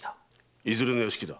いずれの屋敷だ？